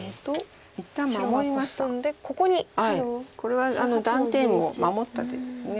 これは断点を守った手です。